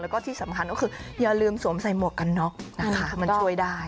แล้วก็ที่สำคัญก็คืออย่าลืมสวมใส่หมวกกันน็อกนะคะมันช่วยได้